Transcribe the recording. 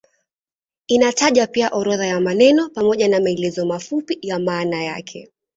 Inataja pia orodha ya maneno pamoja na maelezo mafupi ya maana yake.